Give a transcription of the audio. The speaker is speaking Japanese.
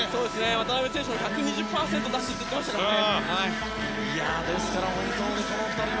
渡邊選手も１２０％出すと言ってましたからね。